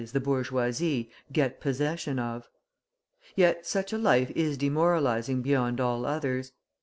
the bourgeoisie) get possession of. Yet such a life is demoralising beyond all others.